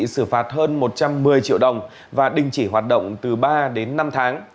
xử phạt hơn một trăm một mươi triệu đồng và đình chỉ hoạt động từ ba đến năm tháng